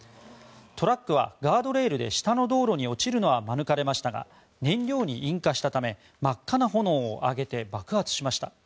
トラックはガードレールで下の道路に落ちるのは免れましたが燃料に引火したため真っ赤な炎を上げて爆発しました。